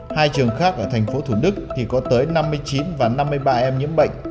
hai trường khác ở thành phố thủ đức thì có tới năm mươi chín và năm mươi ba em nhiễm bệnh